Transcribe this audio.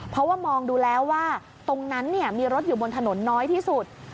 เพราะว่ามองดูแล้วว่าตรงนั้นมีรถอยู่บนถนนน้อยที่สุด